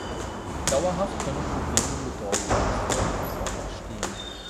Dauerhaft können Probleme nur dort gelöst werden, wo sie auch entstehen.